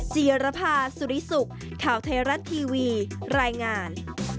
เจียรพาสุริสุขข่าวเทรันดร์ทีวีรายงาน